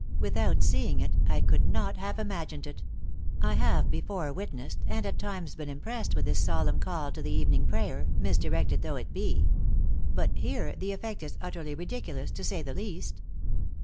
Without seeing it, I could not have imagined it. I have before witnessed and, at times, been impressed with this solemn call to the evening prayer, misdi rected though it be. But here the effect is utterly ridiculous, to say the least."